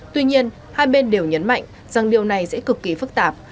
tuy nhiên hai bên đều nhấn mạnh rằng điều này sẽ cực kỳ phức tạp